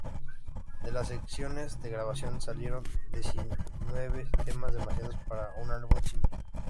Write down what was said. De las sesiones de grabación salieron diecinueve temas, demasiados para un álbum simple.